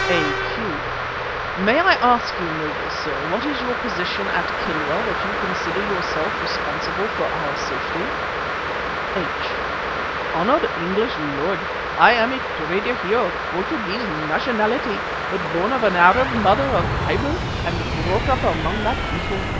A.Q.: "Might I ask you, noble sir, what is your position at Kilwa, that you consider yourself responsible for our safety?" H.: "Honoured English lord, I am a trader here of Portuguese nationality, but born of an Arab mother of high birth and brought up among that people.